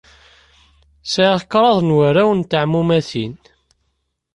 Sɛiɣ kraḍ n warraw n teɛmumatin.